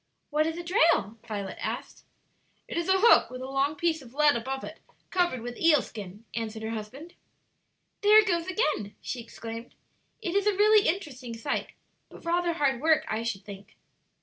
"What is a drail?" Violet asked. "It is a hook with a long piece of lead above it covered with eel skin," answered her husband. "There it goes again!" she exclaimed. "It is a really interesting sight, but rather hard work, I should think."